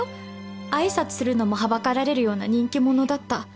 あいさつするのもはばかられるような人気者だった